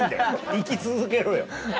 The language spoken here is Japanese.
生き続けろよ。